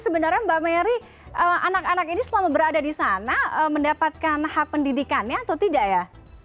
sebenarnya mbak merry anak anak ini selama berada di sana mendapatkan hak pendidikannya atau tidak ya